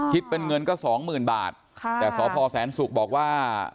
คิดเป็นเงินก็สองหมื่นบาทค่ะแต่สพแสนศุกร์บอกว่า